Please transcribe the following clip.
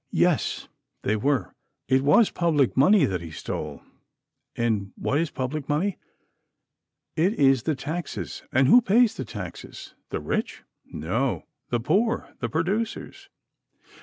Yes, they were. It was public money that he stole. And what is public money? It is the taxes. And who pay the taxes the rich? No, the poor, the producers.